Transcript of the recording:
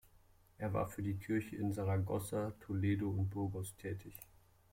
Er war für die Kirche in Saragossa, Toledo und Burgos tätig.